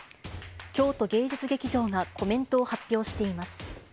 京都芸術劇場がコメントを発表しています。